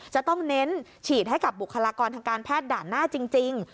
จะต้องเน้นฉีดให้กับบุคลากรทางการแพทย์ด่านหน้าจริง